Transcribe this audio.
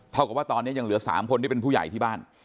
กับว่าตอนนี้ยังเหลือ๓คนที่เป็นผู้ใหญ่ที่บ้าน